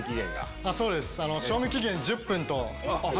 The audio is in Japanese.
そうです。